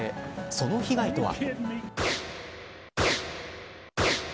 その被害とは。